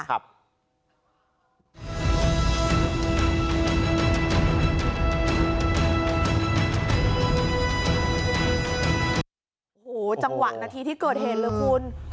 หูจังหวะนาทีที่เกิดเหตถ์เลยคุณ